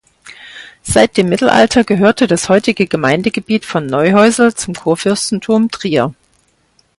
Seit dem Mittelalter gehörte das heutige Gemeindegebiet von Neuhäusel zum Kurfürstentum Trier.